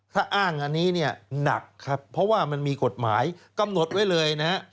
ถ้าอ้างอันนี้เนี่ยหนักครับเพราะว่ามันมีกฎหมายกำหนดไว้เลยนะฮะ